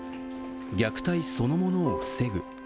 虐待そのものを防ぐ。